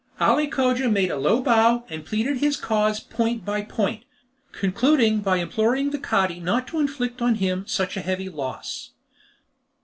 Ali Cogia made a low bow, and pleaded his cause point by point; concluding by imploring the Cadi not to inflict on him such a heavy loss.